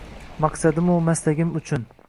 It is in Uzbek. Maqsadimu maslagim uchun